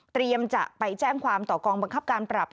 จะไปแจ้งความต่อกองบังคับการปรับ